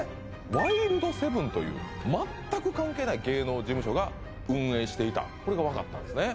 ワイルドセブンという全く関係ない芸能事務所が運営していたこれが分かったんですね